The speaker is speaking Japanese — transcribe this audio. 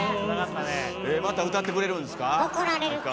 また歌ってくれるんですか？